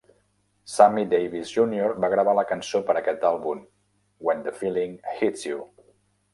Sammy Davis Junior va gravar la cançó per aquest àlbum When the Feeling Hits You!